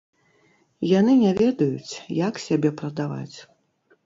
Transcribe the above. Яны не ведаюць, як сябе прадаваць.